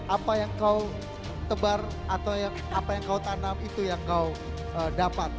apa yang kau tebar atau apa yang kau tanam itu yang kau dapat